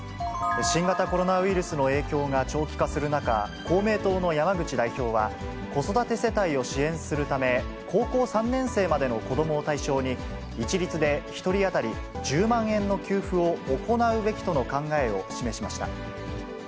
新型コロナウイルスの影響が長期化する中、公明党の山口代表は、子育て世帯を支援するため、高校３年生までの子どもを対象に、一律で１人当たり１０万円の給付を行うべきとの考えを示しました。